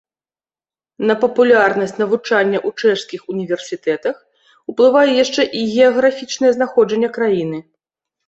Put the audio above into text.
На папулярнасць навучання ў чэшскіх універсітэтах уплывае яшчэ і геаграфічнае знаходжанне краіны.